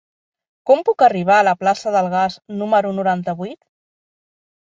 Com puc arribar a la plaça del Gas número noranta-vuit?